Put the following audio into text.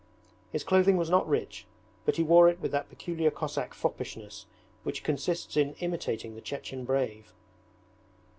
His clothing was not rich, but he wore it with that peculiar Cossack foppishness which consists in imitating the Chechen brave.